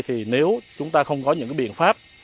thì nếu chúng ta không có những biện pháp